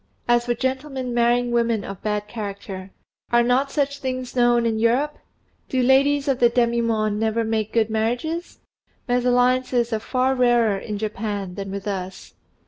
As for gentlemen marrying women of bad character, are not such things known in Europe? Do ladies of the demi monde never make good marriages? Mésalliances are far rarer in Japan than with us.